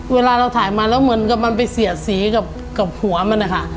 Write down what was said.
เวลาเราถ่ายมาแล้วเหมือนกับมันไปเสียดสีกับหัวมันนะคะ